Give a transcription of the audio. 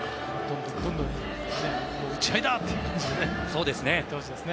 打ち合いだ！という感じでいってほしいですね。